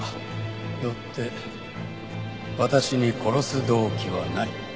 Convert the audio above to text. よって私に殺す動機はない。